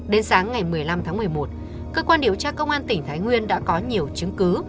đến sáng ngày một mươi năm tháng một mươi một cơ quan điều tra công an tỉnh thái nguyên đã có nhiều chứng cứ